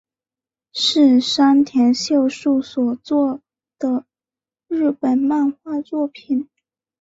是山田秀树所作的日本漫画作品。